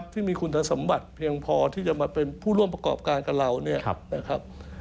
ที่มีคุณศาสมบัติเพียงพอที่จะมาเป็นผู้ร่วมประกอบการกับเรา